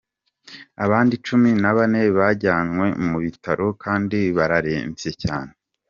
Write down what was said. Abandi cumi na bane bajanywe mu bitaro kandi bararemvye cane.